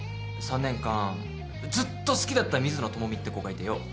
３年間ずっと好きだったミズノトモミって子がいてよ。